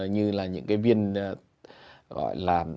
như là những cái viên gọi là